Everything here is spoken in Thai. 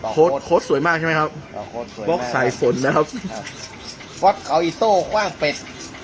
โฆษโฆษสวยมากใช่ไหมครับโฆษสวยมากบอกสายฝนนะครับครับ